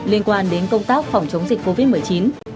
liên quan đến công tác phòng chống dịch covid một mươi chín